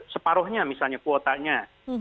separuhnya misalnya kuotanya